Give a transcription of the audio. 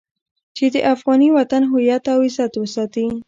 چې د افغان وطن هويت او عزت وساتي.